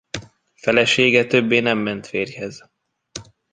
Felesége többé nem ment férjhez.